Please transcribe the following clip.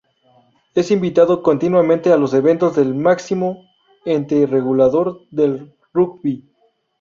Es invitado continuamente a los eventos del máximo ente regulador del rugby.